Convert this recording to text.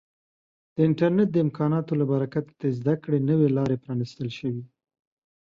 د انټرنیټ د امکاناتو له برکته د زده کړې نوې لارې پرانیستل شوي.